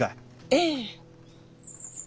ええ。